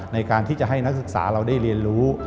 ในการที่จะให้นักศึกษาเราได้เรียนรู้